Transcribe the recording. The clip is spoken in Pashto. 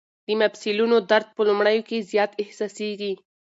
د مفصلونو درد په لومړیو کې زیات احساسېږي.